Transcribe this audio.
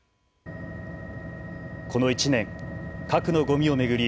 この１年、核のごみを巡り